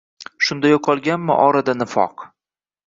Shunda yo’qolgaymi orada nifoq?